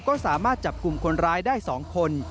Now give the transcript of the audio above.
ก็สามารถจับกลุ่มคนร้ายได้๒คน